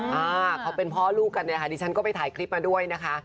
อ่าเขาเป็นพ่อลูกกันเนี่ยค่ะดิฉันก็ไปถ่ายคลิปมาด้วยนะคะ